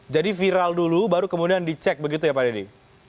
jadi viral dulu baru kemudian dicek begitu ya pak deddy